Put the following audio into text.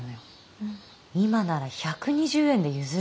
今なら１２０円で譲るって。